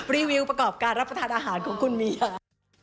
รีวิวประกอบการรับประทานอาหารของคุณมีค่ะ